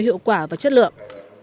hiệu quả và chất lượng